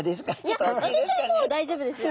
いや私はもう大丈夫ですよ。